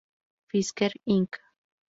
Fisker Inc.